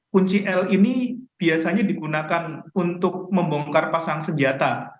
kunci l ini biasanya digunakan untuk membongkar pasang senjata